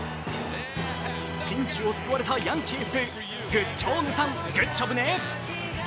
ピンチを救われたヤンキース、グッチョーネさん、グッジョブね。